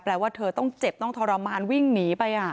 ว่าเธอต้องเจ็บต้องทรมานวิ่งหนีไป